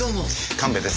神戸です。